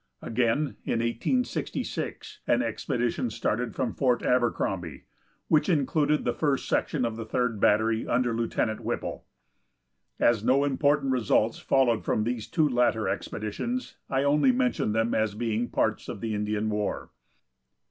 Again, in 1866, an expedition started from Fort Abercrombie, which included the first section of the Third Battery, under Lieutenant Whipple. As no important results followed from these two latter expeditions, I only mention them as being parts of the Indian war.